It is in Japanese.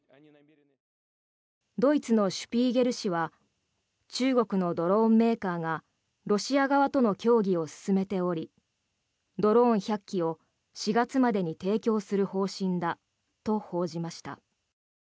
ドイツの「シュピーゲル」誌は中国のドローンメーカーがロシア側との協議を進めておりドローン１００機を４月までに提供する方針だと報じました。